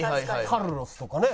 カルロスとかね。